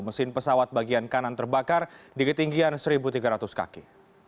mesin pesawat bagian kanan terbakar di ketinggian satu tiga ratus kaki